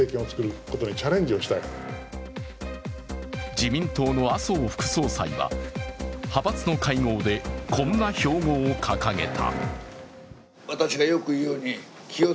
自民党の麻生副総裁は派閥の会合で、こんな標語を掲げた。